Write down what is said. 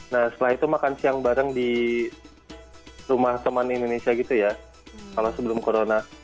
nah setelah itu makan siang bareng di rumah teman indonesia gitu ya kalau sebelum corona